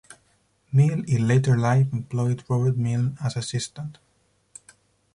Mill in later life employed Robert Mylne as assistant.